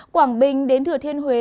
quảng bình đến thừa thiên huế